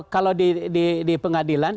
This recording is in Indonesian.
kalau di pengadilan